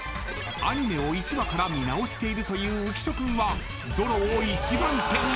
［アニメを１話から見直しているという浮所君はゾロを１番手に］